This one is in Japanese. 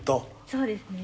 そうですね。